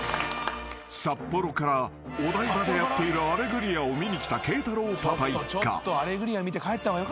［札幌からお台場でやっているアレグリアを見に来たけいたろうパパ一家］